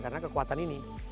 karena kekuatan ini